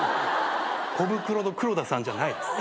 コブクロの黒田さんじゃないです。